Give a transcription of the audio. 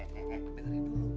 eh eh eh biarin dulu